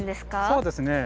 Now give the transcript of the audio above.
そうですね。